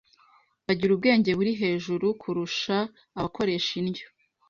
bagira ubwenge buri hejuru kurusha abakoresha indyo